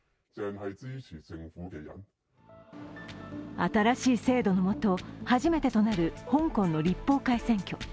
新しい制度の下、初めてとなる香港の立法会選挙。